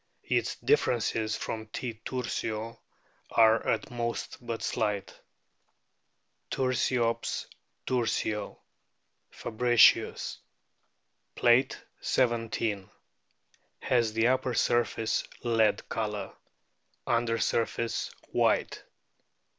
Its differences from T, tursio are at most but slight. LU J DOLPHINS 275 Ttirsiops tursio, Fabricius,* (Plate XVII.) has the upper surface lead colour ; under surface white.